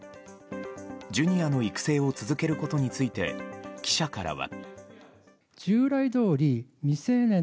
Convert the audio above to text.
Ｊｒ．の育成を続けることについて記者からは。